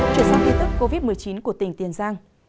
chuyển sang nghi tức covid một mươi chín của tỉnh tiền giang